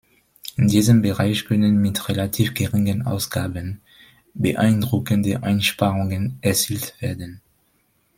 In diesem Bereich können mit relativ geringen Ausgaben beeindruckende Einsparungen erzielt werden.